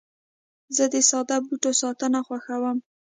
زه د ساده بوټو ساتنه خوښوم.